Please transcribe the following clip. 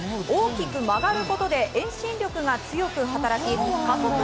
大きく曲がることで遠心力が強く働きます。